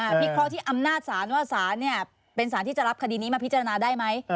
พิเคราะห์ที่อำนาจศาลว่าศาลเนี่ยเป็นสารที่จะรับคดีนี้มาพิจารณาได้ไหม